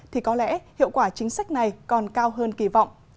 thì có lẽ hiệu quả chính sách này còn cao hơn kỳ vọng